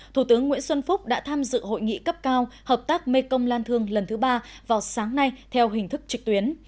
thủ tướng nguyễn xuân phúc đã tham dự hội nghị cấp cao hợp tác mekong lan thương lần thứ ba vào sáng nay theo hình thức trực tuyến